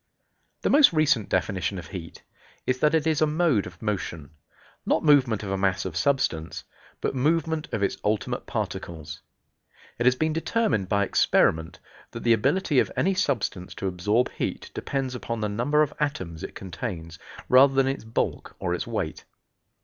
The most recent definition of heat is that it is a mode of motion; not movement of a mass of substance, but movement of its ultimate particles. It has been determined by experiment that the ability of any substance to absorb heat depends upon the number of atoms it contains, rather than its bulk or its weight.